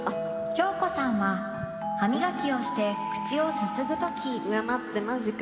「京子さんは歯磨きをして口をすすぐ時」待ってマジか。